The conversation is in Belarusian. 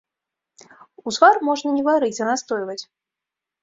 Узвар можна не варыць, а настойваць.